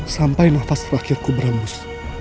sampai nafas terakhir ku beremus